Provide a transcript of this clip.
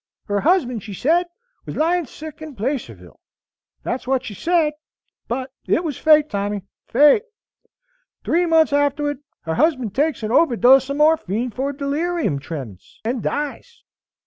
Her husband, she said, was lying sick in Placerville; that's what she said; but it was Fate, Tommy, Fate. Three months afterward, her husband takes an overdose of morphine for delirium tremems, and dies.